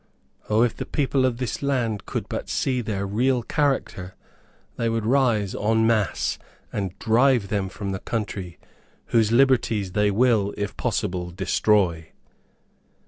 O, if the people of this land could but see their real character, they would rise en masse and drive them from the country, whose liberties they will, if possible, destroy.